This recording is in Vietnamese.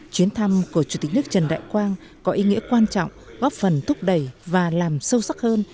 chuyến thăm của chủ tịch nước trần đại quang có ý nghĩa quan trọng góp phần thúc đẩy và làm sâu sắc hơn